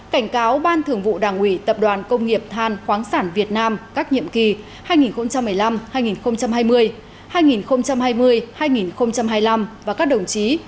cảnh cáo ban thường vụ đảng ủy tập đoàn công nghiệp than khoáng sản việt nam các nhiệm kỳ hai nghìn một mươi năm hai nghìn hai mươi hai nghìn hai mươi hai nghìn hai mươi năm và các đồng chí